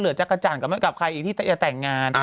เหลือจักรจันทร์กับใครที่จะแต่งงาน